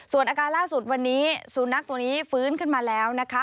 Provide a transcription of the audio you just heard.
ส่วนอาการล่าสุดวันนี้สุนัขตัวนี้ฟื้นขึ้นมาแล้วนะคะ